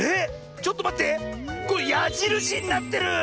ちょっとまって！やじるしになってる！